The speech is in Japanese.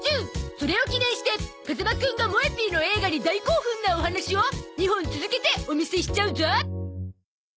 それを記念して風間くんが『もえ Ｐ』の映画に大興奮なお話を２本続けてお見せしちゃうゾ